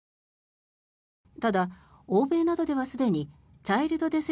ただ、欧米などではすでにチャイルド・デス・